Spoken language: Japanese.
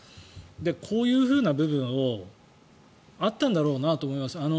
こういう部分をあったんだろうなと思います。